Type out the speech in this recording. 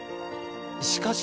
しかし。